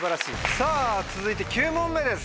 さぁ続いて９問目です。